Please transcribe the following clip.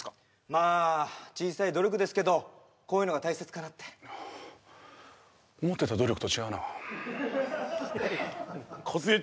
まあ小さい努力ですけどこういうのが大切かなって思ってた努力と違うなそうっすね